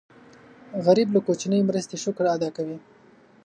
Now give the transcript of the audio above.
غریب له کوچنۍ مرستې شکر ادا کوي